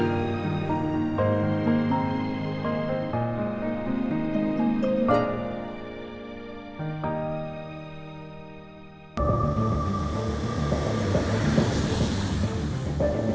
manifestasi di mana kalian lagi gak mereai makasihictmi rainer